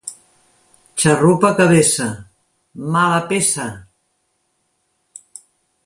—Xarrupa que vessa. —Mala peça!